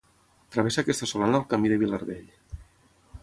Travessa aquesta solana el Camí del Vilardell.